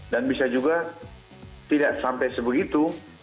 dan bisa juga tidak sampai sebegitu